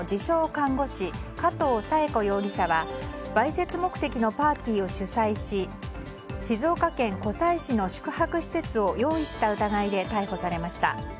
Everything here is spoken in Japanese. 看護師加藤砂恵子容疑者はわいせつ目的のパーティーを主催し静岡県湖西市の宿泊施設を用意した疑いで逮捕されました。